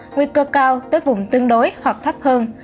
nguy cơ cao tới vùng tương đối hoặc thấp hơn